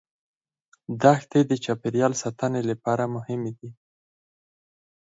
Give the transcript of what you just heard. دښتې د چاپیریال ساتنې لپاره مهمې دي.